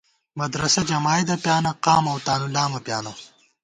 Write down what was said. مدرسہ جمائیدہ پیانہ قام اؤ تانُو لامہ پیانہ